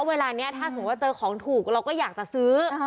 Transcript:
เวลานี้ถ้าสมมุติว่าเจอของถูกเราก็อยากจะซื้อ